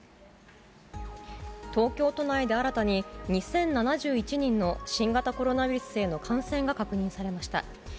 東京都内で新たに、２０７１人の新型コロナウイルスへの感染が確認されました。